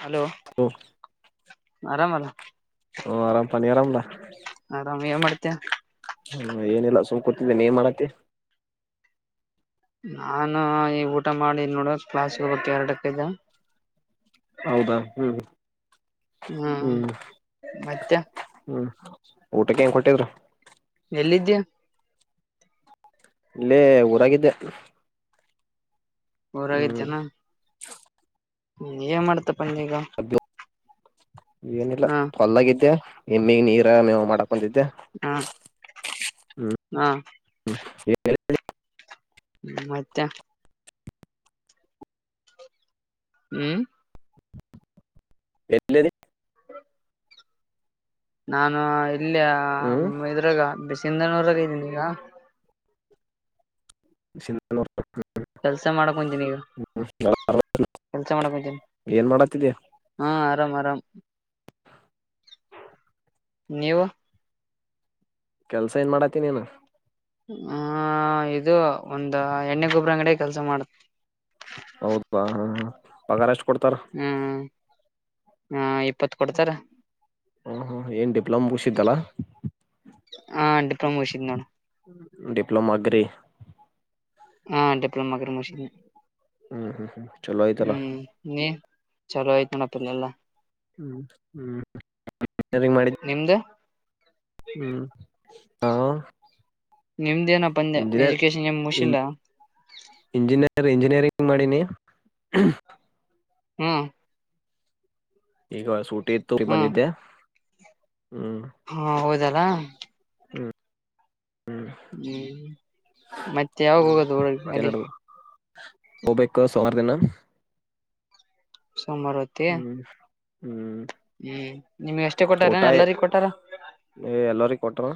Hello ಹ್ಮ ಆರಾಮಲ. ಹಓ ಆರಾಮ್ ಪಾನಿ ಆರಾಮದಾ. ಆರಾಮ್ ಏನ್ ಮಾಡ್ತ. ಗೂತಿದ್ದೇನೆ ಏನ್ ಮಾಡಾತಿ. ನಾನ ಈ ಊಟ ಮಾಡಿದ್ದ ನೋಡು ಕ್ಲಾಸ್ ಹೋಗಕ್ ಎರಡಕ್ಕೈ್ದ ಹೌದಾ ಹ್ಮ್. ಹಾ ಹ್ಮ್ ಮತ್ತೆ. ಹ್ಮ್ ಊಟಕ್ಕೆ ಏನ್ ಕೊಟ್ಟಿದ್ರು. ಎಲ್ಲಿದ್ದ್ಯ ಇಲ್ಲೇ ಊರಾಗಿದ್ದೆ. ಹ್ಮ್ ಊರಾಗಿದ್ದನಾ. ಹ್ಮ ಏನ್ ಮಾಡ್ತಪ್ಪ ನೀಗ ಏನಿಲ್ಲ ಹಾ ಹೊಲದಾಗಿದ್ದೆ ಎಮ್ಮಿಗ ನೀರ ಮೇವ ಮಾಡಕ್ ಹಾ ಹಾ [unintelligible] ಮತ್ತೆ. ಹ್ಮ್. [inaudible] ನಾನು ಇಲ್ಲಿಯ ಹ್ಮ್ ಇದ್ರಾಗ ಬ ಸಿಂಧನೂರಾಗ ಇದ್ದೀನಿ ಈಗ. [inaudible] ಕೆಲ್ಸ ಮಾಡಕೊಂತೀನಿ ಈಗ ಕೆಲ್ಸ ಮಾಡಕಂತೀನಿ ಏನ್ ಮಾಡತ್ತಿದ್ಯಾ ಹಾ ಆರಾಮ್ ಆರಾಮ್. ನೀವು. ಕೆಲ್ಸ ಏನ್ ಮಾಡಾತಿನೀನು ಹ ಇದು ಒಂದ ಎಣ್ಣೆ ಗೊಬ್ಬರ ಅಂಗಡಿ ಕೆಲ್ಸ ಮಾಡುತ್ತ ಅಗ [unintelligible] ಹ್ಮ್ ಹಾ ಇಪ್ಪತ್ ಕೊಡ್ತಾರ ಹ್ಮ ಹ್ಮ ಏನ್ ಡಿಪ್ಲೊಮ್ ಮುಗಿಸಿದೆಲ್ಲ ಹ ಡಿಪ್ಲೊಮಾ ಮುಗಿಸಿದ್ ನೋಡು ಡಿಪ್ಲೋಮಾ ಗ್ರೀ ಹ್ಮಡಿಪ್ಲೋಮೋ ಅಗ್ರಿ ಮುಗಿಸಿದ್ದೀನಿ ಹ್ಮ್ ಹ್ಮ್ ಹ್ಮ್ ಚಲೋ ಆಯ್ತಲ್ಲ ಹ್ಮ್ ನಿ ಚಲೋ ಆಯ್ತು ನಡಪ್ಪಲ್ಲ ಎಲ್ಲ ಹ್ಮ್ ಹ್ಮ್ ಮಾಡಿದ್ದ ನಿಮ್ದ ಹ್ಮ್ ಹಾ ನಿಮ್ದ ಏನಪ್ಪ ಅಂದೆ ಇಂಜಿನಿಯ ಎಜುಕೇಶನ್ ಏನ್ ಮುಗಿಸಿಲ್ಲ ಇಂಜಿನಿಯ ಇಂಜಿನಿಯರಿಂಗ್ ಮಾಡಿನಿ ಹ್ಮ್ ಈಗ ಸೂಟಿ ಇತ್ತು ಬಂದಿದ್ದೆ ಹ್ಮ್ ಹಾ ಹೌದಲಾ ಹ್ಮ್ ಮತ್ತೆ ಯಾವಾಗ ಹ್ಮ್ ಹೋಗದು ಹಳ ಮತ್ತೆ ಅಲ್ಲಿ ನಡ ಹೋಗ್ಬೇಕು ಸುಮಾರ ದಿನ ಸೋಮಾರ ಹೊತ್ತ ಹ್ಮ್ ಹ್ಮ್ ಅಷ್ಟೇ ಊಟ ಕೊಟ್ಟಾರ ಎಲ್ಲರಿಗ ಕೊಟ್ಟಾರ ಎಲ್ಲರಿ ಕೊಟರು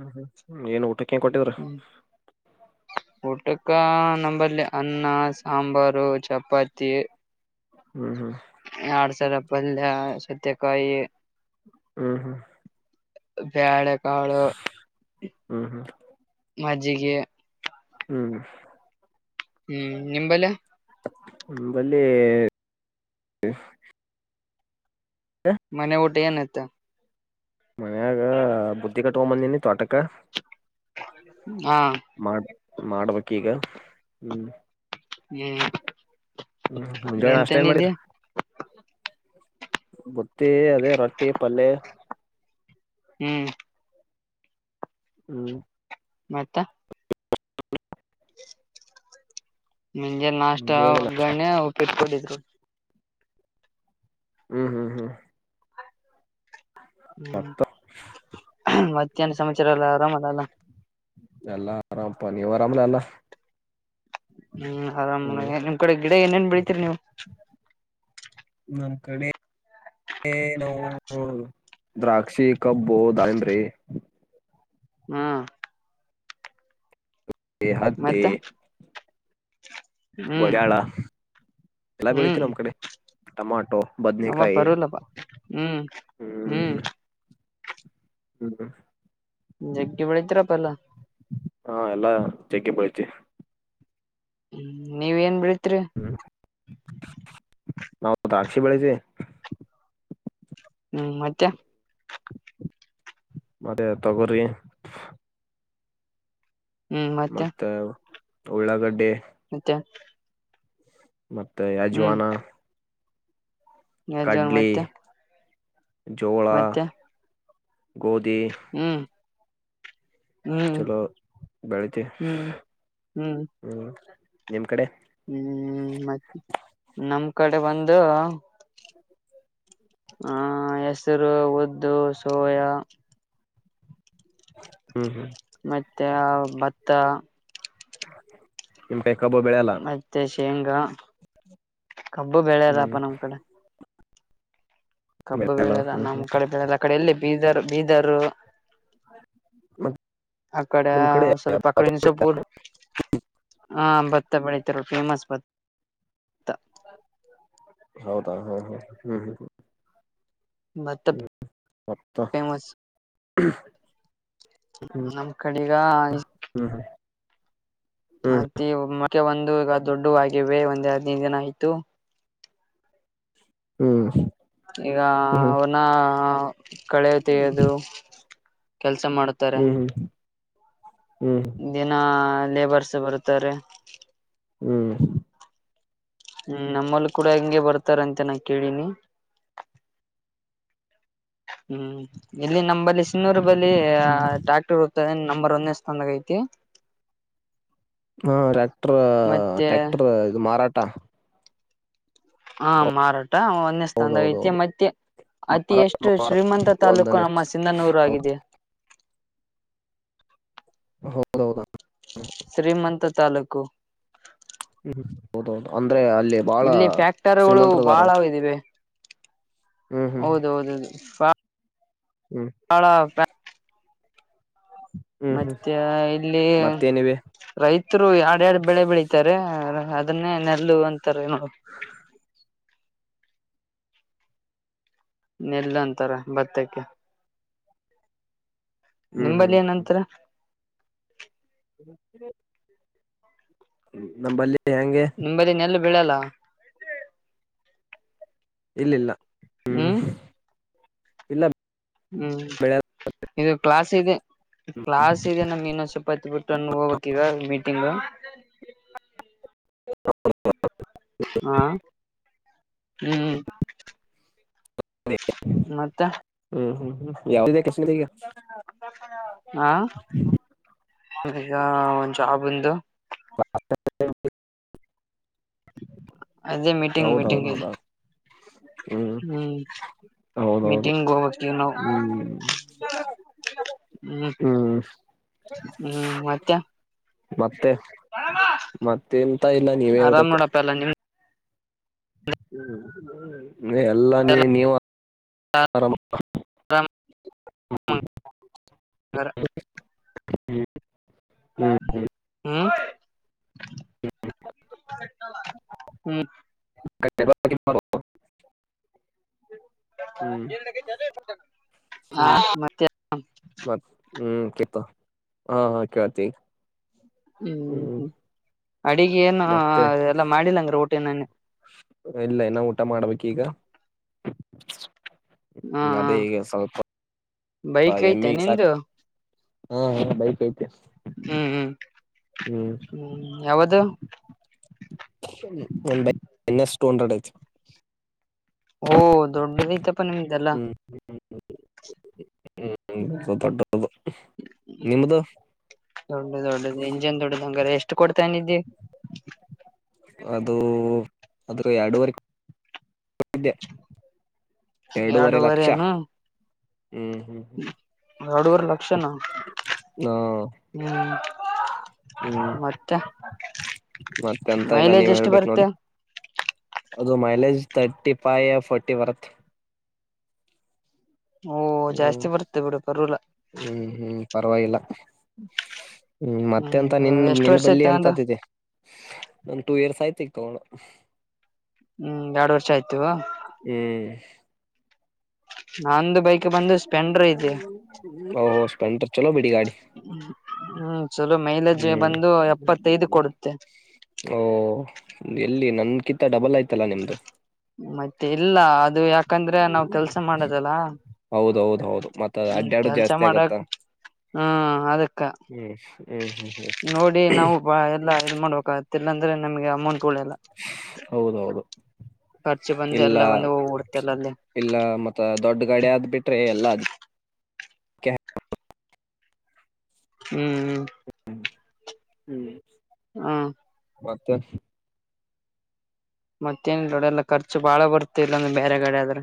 ಹ್ಮ್ ಹ್ಮ್್ಮ್ ಏನ್ ಊಟ ಹ್ಮ್ ಊಟ್ಟೆ ಅಕ್ಕ ನಂಬರ್ಲ್ಲಿ ಅನ್ನ ಸಾಂಬಾರು ಚಪಾತಿ ಹ್ಮ್ ಆಡುಸರಪ್ಪಲ್ಲ ಸೌತೆಕಾಯಿ ಹ್ಮ್ ಹ್ಮ್ ಬೇಳೆಕಾಳು ಹ್ಮ್ ಹ್ಮ್ ಹ್ಮ್ ಮಜ್ಜಿಗೆ ಹ್ಮ್ ಹ್ಮ್ ನಿಂಬಲ್ಲ ಹ ಬಲ್ಲಿ ಮನೆ ಊಟೆಏನ್ತ ಮನ್ಯಾಗ ಬುದ್ಧಿ ಕಟ್ಕೊಂಡಂಬಂದನಿ ತೋಟಕ ಹಾ ಮಾಡ ಮಾಡ್ಬೇಕ ಈಗ ಹ್ಮ್ ಹ್ಮ ಹ್ಮ್ ಮುಂಜ ನಷ್ಟ ಏನ್ ಮಾಡಿರ ಬುತ್ತಿ ಅದೇ ರೊಟ್ಟಿ ಪಲ್ಲೆ ಹ್ಮ್ ಹ್ಮ್ ಮತ್ತ ಹ ಮುಂಜೆ ನಾಷ್ಟ ಮುಂಜಾಳೆ ನಾಷ್ಟ ಒಗ್ಗರಣೆ ಉಪ್ಪಿಟ್ಕಡಿದ್ರು ಹ್ಮ್ ಹ್ಮ್ ಹ್ಮ್ ಹ್ಮ್ ಮತ್ತನ ಸಮಚಾರಲ್ಲ ಅವರ ಮಲ್ಲ ಅಲ್ಲ ಎಲ್ಲಾ ಆರಾಮಪ ನೀವು ವರಾಮಲ ಎಲ್ಲ ಹ್ಮ್ ಆರಾಮ್ ನಿಮ್ ಕಡೆ ಗಿಡ ಏನೇನ್ ಬೆಳಿತೀರಿ ನೀವು ನಮ್ಮ ಕಡೆ ನ ದ್ರಾಕ್ಷಿ ಕಬ್ಬು ದಾಂಬ್ರಿ ಹ್ಮ್ ಬೇಹದ ದ ಮತ್ತ ಹ್ಮ್ ಗಜಳ ಎಲ್ಲ ಬೆಳೀತಿ ಹ್ಮ್ ನಮ್ಮ್ ಕಡೆ ಟಮಾಟೋ ಅವ ಬದನಕಾಯಿ ಪರ್ವಲ್ಲಪ್ಪ ಹ್ಮ್ ಹ್ಮ್ ಹ್ಮ್ ೆಗ್ಗ ಬೆಳತರ ಪಲ್ಲ ಹಾ ಎಲ್ಲಾ ಚಗ್ಕ್ಕಿ ಬೆಳಿತಿವಿ ಹ್ಮ್ ನೀವ್ ಏನ್ ಬಿಡ ಹ್ಮ್ ನಾವು ದ್ರಾಕ್ಷಿ ಬೆಳಸ ಹ್ಮ್ ಮತ್ತೆ ಮತ್ತೆ ತಗರಿ ಮತ್ತೆ ಉಳ್ಳಾಗಡ್ಡೆ ಮತ್ತೆ ಮತ್ತೆ ಯಜವಾನ ಎ ಜನ್ ಮತ್ತೆ ಜೋಳ ಮತ್ತೆ ಗೋಧಿ ಹ್ಮ್ ಹ್ಮ್ ಚಲೋ ಬೆಳತಿ ಹ್ಮ್ ಹ್ಮ್ ನಿಮ್ ಕಡೆ ಹ್ಮ್ ಮತ್ತ ನಮ್ ಕಡೆ ಒಂದು ಹ್ಮ ಹೆಸರು ಉದ್ದು ಸೋಯಾ ಹ್ಮ್ ಹ್ಮ್ ಮ ಭತ್ತ ನಿಮ್ ಕೈ ಕಬ್ಬು ಬೆಳೆಯಲ್ಲ ಮತ್ತೆ ಶೇಂಗಾ ಕಬ್ಬು ಹ್ಮ್ ಬೆಳೆದಪ್ಪ ನಮ್ ಕಡೆ ಕಬ್ಬ ಬೆಳೆಯಲ್ಲ ಬೆಳೆಲ್ಲ ಹ್ಮ್ ನಮ್ಮ್ ಹ್ಮ್ ಕಡೆ ಬೆಳೆಲ್ಲ ಕಡೆ ಎಲ್ಲಿ ಬೀದರ್ ಬೀದರ್ ಮತ್ ಆಕಡ ನಿಮ್ ಕಡೆ ಸರ್ಪಕಡಿ ನಿ ಸಪೂರ ಹಾ ಭತ್ತ ಬೆಳಿತರು ಫೇಮಸ್ ಭತ್ತ ಹೌದಾ ಹ ಹಾ ಹ್ಮ್ ಹ್ಮ್ ಮತ್ತ ಪೇವಸ್ ಹ ನಮ್ ಕಡೆಗ ಹ್ಮ್ ಮತ್ತ ಮೆ ಒಂದು ಈಗ ದೊಡ್ಡ ಆಗವೆ ಒಂದ್ ಹರದನೈದು ದಿನ ಆಯ್ತು ಹ್ಮ್ ಈಗ ಹ್ಮ್ ಅವನ ಕಳೆಯ ಹ್ಮ್ ತೆಗೆೋದು ಕೆಲ್ಸ ಮಾಡತಾರೆ ಹ್ಮ್ ಹ್ಮ್ ದಿನ ಲೇ ಬರ್ಸ ಬರುತ್ತಾರೆ ಹ್ಮ್ ಹ್ಮ್ ನಮ್ಮಲ್ಲಿ ಕೂಡ ಹೆಂಗೆ ಬರ್ತಾರ ಅಂತ ನಾ ಕೇಳಿನಿ ಹ್ಮ್ ಇಲ್ಲಿ ನಂಬಲ್ಲಿ ಸನ್ನೂರು ಲ್ಲಿ ಹ್ಮ್ ಟ್ಯಾಕ್ಟರ್ ಓದತದೆ ನಂಬರ್ ಒಂದೇ ಸ್ತಂದಾಗ ಐತಿ ಹಾ ಟ್ರ್ಯಾಕ್ಟರ್ ಮತ್ತೆ ಟ್ಯಾಕ್ಟರ್ ಇದು ಮಾರಾಟ ಹಾ ಮಾರಾಟ ಒಂದೇ ಸ್ಥಾನದಾಗ ಐತಿ ಹೌದೌದೌದು ಮತ್ತೆ ಅತಿ ಮಾರಾಟ ಎಷ್ಟು ಮಾರ ಶ್ರೀಮಂತ ತಾಲೂಕು ಒಂದನೇ ನಮ್ಮ ಸಿಂಧನೂರು ಹೌದು ಆಗಿದೆ ಹೌದೌದ ಶ್ರೀಮಂತ ತಾಲೂಕು ಹ್ಮ್ ಹೌದೌದು ಅ ಇಲ್ಲಿ ಫ್ಯಾಕ್ಟರಿಗಳು ಬಹಳ ಇದಿವೆ ಹ್ಮ್ ಹ್ಮ್ ಹೌದ ಹೌದೌದು ಹ್ಮ್ ಹಳ ಹ್ಮ್ ಹ್ಮ್ ಮತ್ತೆ ಇಲ್ಲಿ ಮತ್ತೇನಿವೆ ರೈತರು ಎರಡ್ಯಾಡ್ ಬೆಳೆ ಬೆಳೀಿತಾರೆ ಅದನ್ನೇ ನೆಲ್ಲ ಅಂತಾರೆ ನೋಡು ನೆಲ್ಲ ಅಂತಾರೆ ಭತ್ತಕ್ಕೆ ಹ್ಮ್ ಹ್ಮ್ ನಿಂಬಲ್ಲಿ ಏನಂತರ ಹ ನಲ್ಲಿ ನಿಂಬದನ್ಲ್ಲ ಬೆೀಳಲ್ಲ ಇಲ್ಲಿ ಇಲ್ಲ ಹ್ಮ ಇಲ್ಲ ಹ್ಮ್ ಬೆಳೆ ಇದು ಕ್ಲಾಸ್ ಇದೆ ಕ್ಲಾಸ್ ಇದೆ ನಮ ಇನ್ನೊ ಚಪಾತ್ ಬಿಟ್ಟ ಹೋಗಕ್ ಈಗ ತಿಂಗ ಹೌ ಹಾ ಹ್ಮ್ ಮತ್ತೆ ಹ್ಮ್ ಹ್ಮ ಹ್ಮ್ ಯಾವ್ದಿದೆ ಕೃಷ್ಣಗ ಹಾ ಇದ ಒಂದು್ ಜಾಬ್ಂದು ಅದೇ ಮೀಟಿಂಗ್ ಮೀಟಿಂಗ್ ಅಜ ಹ ಹ್ಮ್ ಮೀಟಿಂಗ್ ಹೋಗಕವ ನಾವು ಹ್ಮ್ ಹ್ಮ್ ಹ್ಮ್ ಮತ್ತೆ ಮತ್ತೆ ಮತ್ತೆ ಎಂತ ಇಲ್ಲ ನೀವೇ ಆರಾಮ್ ಹೇಳ್ಬೇಕು ನೋಡಪ್ಪ ಎಲ್ಲ ನಿಮ್ ಎಲ್ಲಾ ನೀ ನೀವು ಆರಾಮ ಹರ ಹ್ಮ ಹ್ಮ್ ಹ್ಮ ಹ್ಮ ಹ್ಮ ಮಾಡ ಹಾ ಹ್ಮ್ ಮತ್ತೆ ಮತ್ ಹ್ಮ್ ಕತ್ತ ಹಾ ಹಾ ಕೇೇಳತಿ ಈಗ [inaudible] ಹ್ಮ್ ಹ್ಮ್ ಅಡಿಗೆ ಏನು ಮತ್ತೆ ಎಲ್ಲಾ ಮಾಡಿಲ್ಲಂಗ್ರ ಊಟಿನ ಇಲ್ಲ ಇನ್ನ ಊಟ ಮಾಡ್ಬೇಕ ಈಗ ಹಾ ್ಮ ಹ ಅದೇ ಈಗ ಸ್ವಲ್ಪ ಬೈಕ್ ಐತೆ ಎಮ್ಮಿ ಹಾ ನಿಂದು ಹಾ ಬೈ ಹ್ಮ್ ಹ್ಮ್ ಹ್ಮ್ ಯಾವದು ಟೂ ಹಂಡ್ರೆಡ್ ಆು ದೊಡ್ಡ ದಿತ ಪ ತಲ್ಲ ಹ್ಮೊಡ್ ನಿಮ್ದು ದೊಡ್ಡ ದೊಡ್ಡದು ಇಂಜನ್ ದೊಡ್ಡದ ಹಂಗಾರ ಎಷ್ಟು ಕೊಡ್ತನಿದ್ದೆ ಅದು ಅದು ಅಡುವರಿ ಎರಡೂವರೆ ಲಕ್ಷ ಎರಡೂವರೆನು ಹ್ಮ್ ಹ್ಮ್ ಹ್ಮ ಎರಡೂವರೆ ಲಕ್ಷನ ಹಾ ಹ್ಮ್ ಹ್ಮ್ ಮತ್ತೆ ಮತ್ತೆ ಎಂತ ಇಲ್ಲ ಮೈಲೇಜ್ ನೀವ್ ಎಷ್ಟು ಹೇಳ್ಬೇಕು ಬರುತ್ತೆ ನೋಡಿ ಅದು ಮೈಲೇಜ್ ತರ್ಟಿ ಫೈ ಫೋರ್ಟಿ ಬರುತ್ ಓ ಜಾಸ್ತಿ ಬರುತ್ತೆ ಬಿಡು ಪರ್ಲ ಹ್ಮ್ ಹ್ಮ್ ಪರವಾಗಿಲ್ಲ ಹ್ಮ ಮತ್ತೆ ಅಂತ ನಿನ್ ಹ್ಮ್ ಎಷ್ಟು ನಿನ್ ವರ್ಷ ಬಲ್ಲಿ ಆಯ್ತ ನಂದು ಎಂತ್ದಿದೆು ಸೈತಿಡ ಹ್ಮ್ ಎರಡು ವರ್ಷ ಆಯ್ತು ಹ್ಮ್ ನಂದು ಬೈಕ್ ಬಂದು ಸ್ಪೆಂಡರ್ ಇದೆ ಓ ಸ್ಪಲಂಡರ್ ಚಲೋ ಬಿಡಿ ಗಾಡಿ ಹ್ಮ್ ಚಲೋ ಮೈಲೇಜ್ ಹ್ಮ್ ಬಂದು ಎಪ್ಪತ್ತೈದು ಕೊಡುತ್ತೆ ಓ ಎಲ್ಲಿ ನನ್ ಕಿತ್ತ ಡಬಲ್ ಆಯ್ತಲ್ಲಾ ನಿಮ್ದು ಮತ್ತೆ ಇಲ್ಲ ಅದು ಯಾಕಂದ್ರೆ ನಾವ್ ಕೆಲ್ಸ ಮಾಡದಲ್ಲ ಹೌದ ಹೌದು ಹಾ ಅದಕ್ಕ ಹ್ಮ್ ಹ್ಮ್ ಹ್ಮ್ ಹ್ಮ್ ನೋಡಿ ನಾವು ಬಾ ಎಲ್ಲ ಇದ ಮಾಡ್ಬೇಕಾಗತ್ತೆ ಇಲ್ಲಂದ್ರೆ ನಮಗೆ ಅಮೌಂಟ್ ಉಳಿಯಲ್ಲ ಹೌದೌದು ಖರ್ಚು ಬಂದು ಇಲ್ಲ ಎಲ್ಲ ಒಂದು ಹೋಗ್ಬಿಡ್ತಲ್ಲ ಇಲ್ಲ ಮತ್ತ ದೊಡ್ಡ ಗಡೆ ಆದ ಬಿಟ್ರಿ ಎಲ್ಲಾ ಅದಕೇ ಹ್ಮ್ ಹ್ಮ್ ಹಾ ಮತ್ತೆ ಮತ್ತೇನಿಲ್ ನೋಡ ಎಲ್ಲ ಖರ್ಚು ಬಾಳ ಬರ್ತೆ ಇಲ್ಲಂದ ಬೇರೆಖಡೆ ಆದ್ರ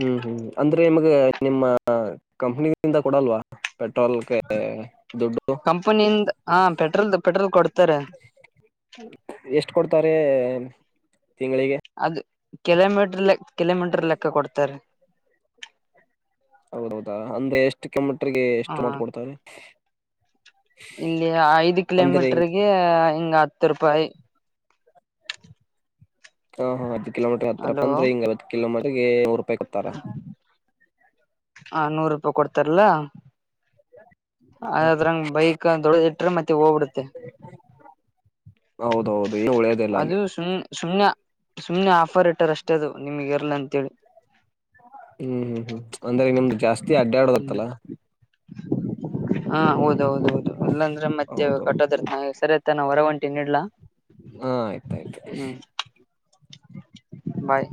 ಹ್ಮ್ ಹ್ಮ್ ಅಂದ್ರೆ ನಿಮಗ ನಿಮ್ಮ ಕಂಪನಿಂದ ಕೊಡಲ್ವಾ ಪೆಟ್ರೋಲ್ಗೆ ದುಡ್ಡು ಕಂಪನಿಯಿಂದ ಹಾ ಪೆಟ್ರೋಲ್ದ ಪೆಟ್ರೋಲ್ ಕೊಡ್ತಾರೆ ಎಷ್ಟ ಕೊಡ್ತಾರೆ ತಿಂಗ್ಳಿಗೆ ಕಿಲೋಮೀಟರ್ ಲೆಕ್ಕ ಕಿಲೋಮೀಟರ್ ಲೆಕ್ಕ ಕೊಡ್ತಾರೆ ಹೌದೌದಾ ಅಂದ್ರೆ ಎಷ್ಟು ಕಿಲೋಮೀಟರ್ಗೆ ಹ ಎಷ್ಟು ಅಮೌಂಟ್ ಕೊಡ್ತಾರೆ ಇಲ್ಲಿ ಐದು ಅಂದ್ರೆ ಹಿಂಗ್ ಕಿಲೋಮೀಟರ್ಗೆ ಹಿಂಗ ಹತ್ತು ರೂಪಾಯಿ ಹಾ ಹಾ ಹ ಕಿಲೋಮೀಟರ್ ಹತ್ತ ರೂಪಾಯಿ ಅಲೋ ಅಂದ್ರೆ ಹಿಂಗ ಅತ್ ಕಿಲೋಮೀಟರಿಗೆ ನೂರು ರೂಪಾಯಿ ಕೊಡ್ತಾರಾ ಹಾ ನೂರು ರೂಪಾಯಿ ಕೊಡ್ತಾರಲ್ಲ ಅದ್ರಂಗ ಬೈಕ್ ದೊಡ್ಡ ಇಟ್ರೆ ಮತ್ತೆ ಹೋಗ್ಬಿಡುತ್ತೆ ಹೌದೌದು ಏನು ಉಳಿಯೋದಿಲ್ಲ ಅದು ಅಲ್ಲಿ ಸುನ್ ಶುನ್ಯ ಸುಮ್ನೆ ಆಫರ್ ಇಟ್ಟಾರ ಅಷ್ಟೇ ಅದು ನಿಮಗೆ ಇರ್ಲ ಅಂತೇಳಿ ಹ್ಮ್ ಹ್ಮ್ ಹ್ಮ್ ಅಂದ್ರೆ ನಿಮ್ದು ಜಾಸ್ತಿ ಹ್ಮ ಅಡ್ಡಾಡದಿತ್ತಲ್ಲ ಹಾ ಹೌದೌದೌದು ಇಲ್ಲಾಂದ್ರೆ ಮತ್ತೆ ಹೌದೌದು ಕಟ್ಟೋದರ್ತ ಸರಿಯತ ನಾ ಹೊರ ಒಂಟಿನಿಡ್ಲಾ ಹಾ ಆಯ್ತ ಆಯ್ತು ಬಾಯ್